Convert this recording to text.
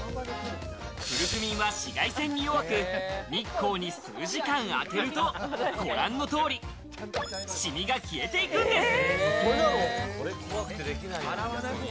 クルクミンは紫外線に弱く、日光に数時間当てると、ご覧の通り、シミが消えていくんです。